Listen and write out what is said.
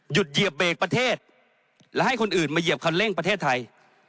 เหยียบเบรกประเทศและให้คนอื่นมาเหยียบคันเร่งประเทศไทย